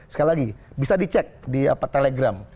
sekali lagi bisa dicek di telegram